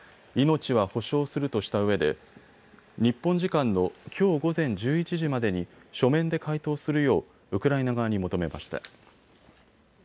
命は保証するとしたうえで日本時間のきょう午前１１時までに書面で回答するようウクライナ側に求めました。